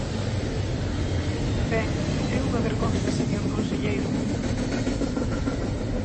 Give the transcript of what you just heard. Ben, é unha vergonza, señor conselleiro.